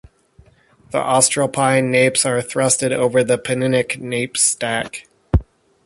The Austroalpine nappes are thrusted over the Penninic nappe stack.